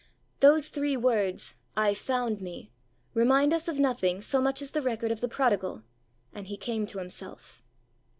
Those three words, 'I found me,' remind us of nothing so much as the record of the prodigal, 'And he came to himself.'